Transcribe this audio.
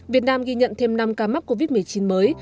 việt nam ghi nhận thêm năm ca mắc covid một mươi chín mới